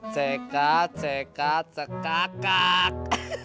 cekat cekat cekakak